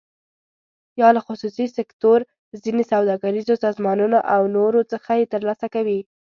یا له خصوصي سکتور، ځینو سوداګریزو سازمانونو او نورو څخه یې تر لاسه کوي.